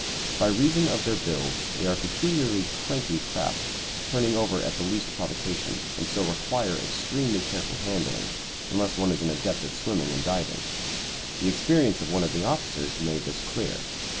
By reason of their build, they are peculiarly "cranky" craft, turning over at the least provocation, and so require extremely careful handling, unless one is an adept at swimming and diving. The experience of one of the officers made this clear.